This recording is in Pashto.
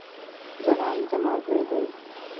ځلاند زما ځوي دی